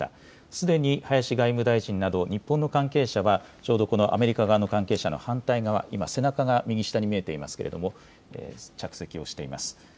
すでに林外務大臣など、日本の関係者はちょうどこのアメリカ側の関係者の反対側、今、背中が右下に見えていますけれども、着席をしています。